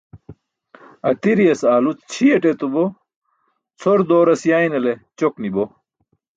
Atiriyas aalu śiyate etubo, cʰor dooras yaynale ćok ni bo.